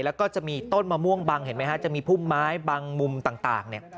แล้วก็จะมีต้นมะม่วงบังจะมีพุ่มไม้บังมุมต่าง